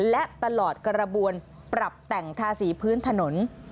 และตลอดกระบวนปรับแต่งทาสีพื้นถนน